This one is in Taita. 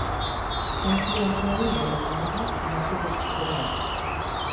"Kwaki" yako yaindane w'ada na seji kusikiragha?